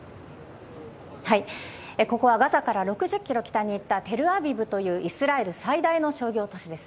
ここはガザから６０ｋｍ北に行ったテルアビブというイスラエル最大の商業都市です。